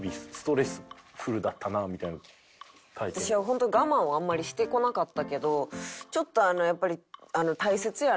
私は本当我慢をあんまりしてこなかったけどちょっとやっぱり。